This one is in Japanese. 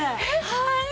はい。